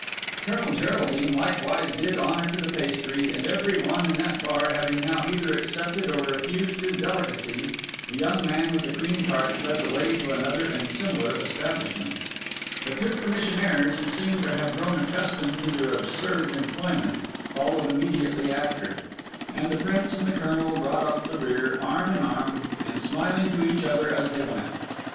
Colonel Geraldine likewise did honour to the pastry; and every one in that bar having now either accepted or refused his delicacies, the young man with the cream tarts led the way to another and similar establishment. The two commissionaires, who seemed to have grown accustomed to their absurd employment, followed immediately after; and the Prince and the Colonel brought up the rear, arm in arm, and smiling to each other as they went.